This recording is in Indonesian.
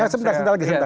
sebentar sebentar lagi